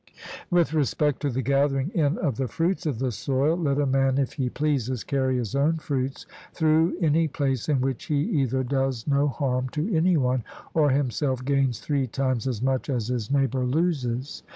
With respect to the gathering in of the fruits of the soil, let a man, if he pleases, carry his own fruits through any place in which he either does no harm to any one, or himself gains three times as much as his neighbour loses.